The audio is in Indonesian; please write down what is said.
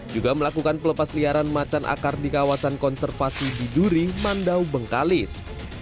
juga melakukan pelepas liaran macan akar di kawasan konservasi di duri mandau bengkalis